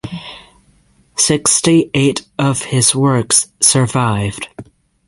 Sixty eight of his works survived.